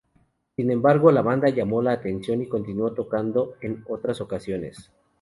Sin embargo, la banda llamó la atención y continuó tocando en otras ocasiones.